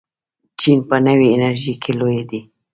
چین په نوې انرژۍ کې لوی دی.